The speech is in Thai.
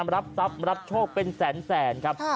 รับทรัพย์รับโชคเป็นแสนครับ